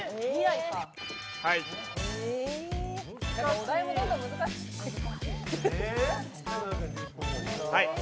お題もどんどん難しくなる。